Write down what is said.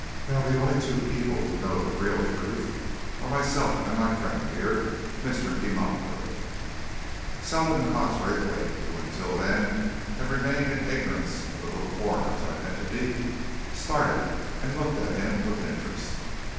Now the only two people who know the real truth are myself and my friend there Mr. Dimambro." Selwood and Cox Raythwaite, who until then had remained in ignorance of the little foreigner's identity, started and looked at him with interest.